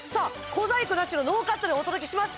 小細工なしのノーカットでお届けします